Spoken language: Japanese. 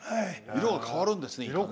色、変わるんですね。